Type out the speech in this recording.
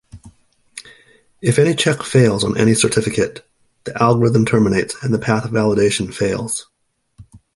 If any check fails on any certificate, the algorithm terminates and path validation fails.